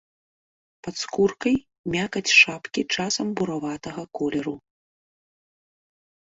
Пад скуркай мякаць шапкі часам бураватага колеру.